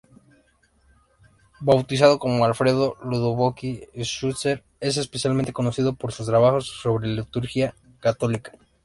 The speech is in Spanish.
Bautizado como Alfredo Ludovico Schuster, es especialmente conocido por sus trabajos sobre liturgia católica.